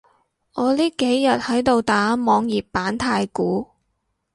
我呢幾日喺度打網頁版太鼓